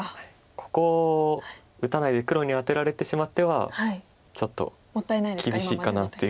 ここ打たないで黒にアテられてしまってはちょっと厳しいかなという。